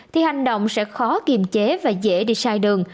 thì hành động sẽ khó kiềm chế và dễ đi sai đường